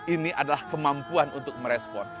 ini adalah kemampuan untuk merespon